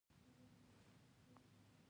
دیوالونه، هر سهار په لمر میینیږې